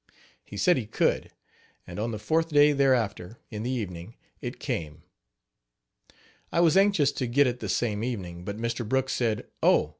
He said he could; and on the fourth day thereafter, in the evening, it came. I was anxious to get it the same evening, but Mr. Brooks said: "Oh!